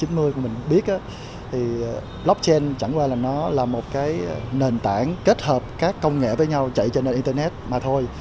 như mình biết thì blockchain chẳng qua là nó là một cái nền tảng kết hợp các công nghệ với nhau chạy trên internet mà thôi